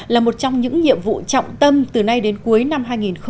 là một trong những nhiệm vụ trọng tâm từ nay đến cuối năm hai nghìn một mươi bảy